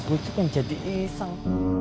bu cukang jadi iseng